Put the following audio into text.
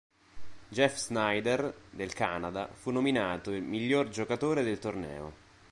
Geoff Snider del Canada fu nominato miglior giocatore del torneo.